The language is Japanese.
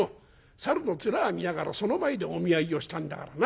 猿の面見ながらその前でお見合いをしたんだからな。